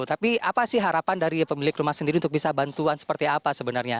tapi apa sih harapan dari pemilik rumah sendiri untuk bisa bantuan seperti apa sebenarnya